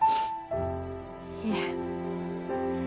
いえ。